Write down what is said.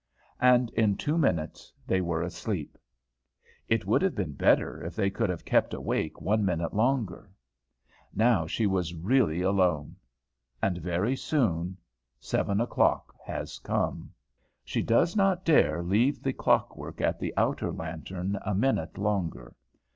And in two minutes they were asleep. It would have been better if they could have kept awake one minute longer. Now she was really alone. And very soon seven o'clock has come. She does not dare leave the clock work at the outer lantern a minute longer.